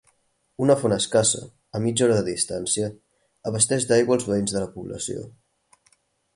Una font escassa, a mitja hora de distància, abasteix d'aigua els veïns de la població.